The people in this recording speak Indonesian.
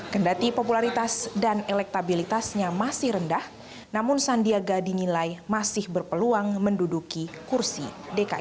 kendati popularitas dan elektabilitasnya masih rendah namun sandiaga dinilai masih berpeluang menduduki kursi dki satu